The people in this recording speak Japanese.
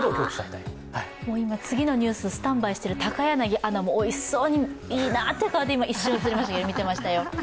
今、次のニューススタンバイしてる高柳アナもおいしそうに、いいなって顔で一瞬映りましたよ。